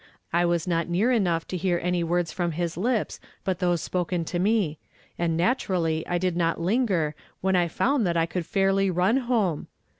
I was not near enough to hear any words from lils lips but those si)()ken to me; and naturally I did not linger, when I found that I could fairly run home